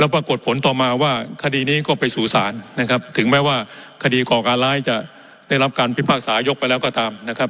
ปรากฏผลต่อมาว่าคดีนี้ก็ไปสู่ศาลนะครับถึงแม้ว่าคดีก่อการร้ายจะได้รับการพิพากษายกไปแล้วก็ตามนะครับ